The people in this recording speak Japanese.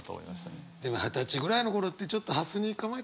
でも二十歳ぐらいの頃ってちょっとはすに構えてたしね。